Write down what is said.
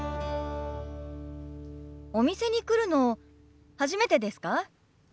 お店に来るの初めてですか？